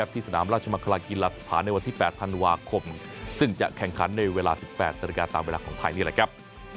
ที่สนามราชมังคลากีฬาสถานในวันที่๘ธันวาคมซึ่งจะแข่งขันในเวลา๑๘นาฬิกาตามเวลาของไทยนี่แหละครับ